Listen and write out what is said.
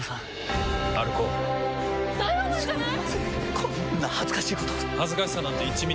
こんな恥ずかしいこと恥ずかしさなんて１ミリもない。